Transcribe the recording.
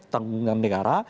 tanggung jawab negara